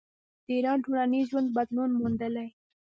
د ایران ټولنیز ژوند بدلون موندلی.